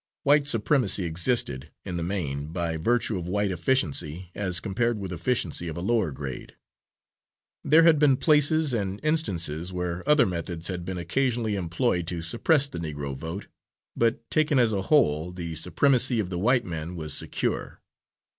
White supremacy existed, in the main, by virtue of white efficiency as compared with efficiency of a lower grade; there had been places, and instances, where other methods had been occasionally employed to suppress the Negro vote, but, taken as a whole, the supremacy of the white man was secure.